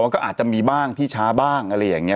ก็อาจจะมีบ้างที่ช้าบ้างอะไรอย่างนี้